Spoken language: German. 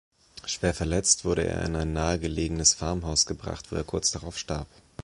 Schwer verletzt wurde er in ein nahegelegenes Farmhaus gebracht, wo er kurz darauf starb.